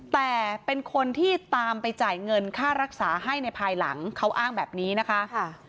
แต่เป็นคนที่ตามไปจ่ายเงินค่ารักษาให้ในภายหลังเขาอ้างแบบนี้นะคะ